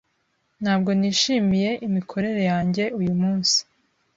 Ntabwo nishimiye imikorere yanjye uyumunsi.